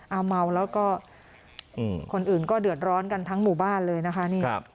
เอาเมาแล้วก็คนอื่นก็เดือดร้อนกันทั้งหมู่บ้านเลยนะคะนี่